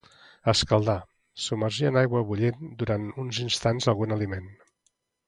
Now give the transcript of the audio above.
escaldar: submergir en aigua bullent durant uns instants algun aliment